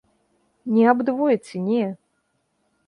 Не аб двойцы, не!